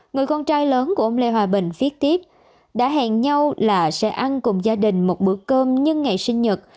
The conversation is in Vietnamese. người con trai lớn của ông lê hòa bình viết tiếp đã hẹn nhau là sẽ ăn cùng gia đình một bữa cơm nhân ngày sinh nhật